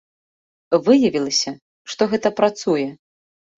Выявілася, што гэта працуе.